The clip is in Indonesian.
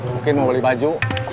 mungkin mau beli baju